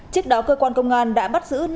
trước đó cơ quan công an đã bắt giữ